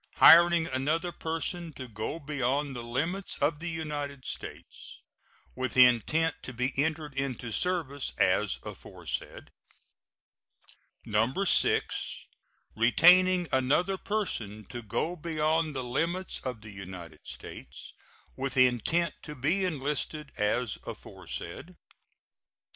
Hiring another person to go beyond the limits of the United States with intent to be entered into service as aforesaid. 6. Retaining another person to go beyond the limits of the United States with intent to be enlisted as aforesaid.